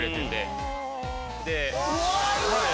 うわ！